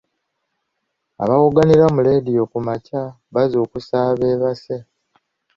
Abawogganira mu leediyo ku makya bazuukusa abeebase.